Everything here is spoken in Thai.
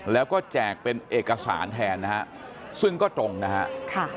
แล้วก็แจกเป็นเอกสารแทนนะฮะซึ่งก็ตรงนะฮะค่ะ